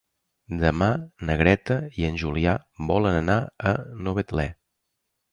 Demà na Greta i en Julià volen anar a Novetlè.